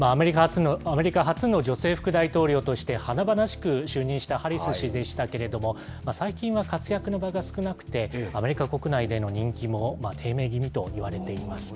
アメリカ初の女性副大統領として、華々しく就任したハリス氏でしたけれども、最近は活躍の場が少なくて、アメリカ国内での人気も低迷気味といわれています。